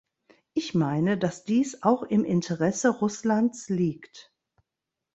Ich meine, dass dies auch im Interesse Russlands liegt.